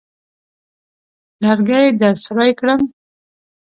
لرګي درسوري کړم.